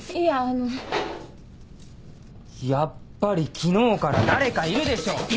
やっぱり昨日から誰かいるでしょ？